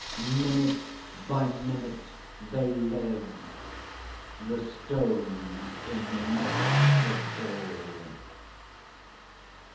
Minute by minute they live: The stone's in the midst of all.